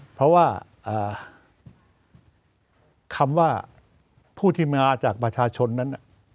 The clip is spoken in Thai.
เพราะว่าคำว่าผู้ที่มาจากประชาชนนั้น